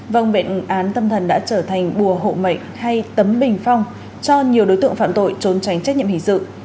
vâng bệnh án tâm thần đã trở thành bùa hộ mệnh hay tấm bình phong cho nhiều đối tượng phạm tội trốn tránh trách nhiệm hình sự